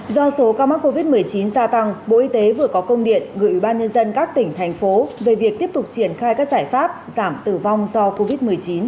do số ca mắc covid một mươi chín gia tăng bộ y tế vừa có công điện gửi ủy ban nhân dân các tỉnh thành phố về việc tiếp tục triển khai các giải pháp giảm tử vong do covid một mươi chín